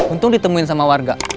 untung ditemuin sama warga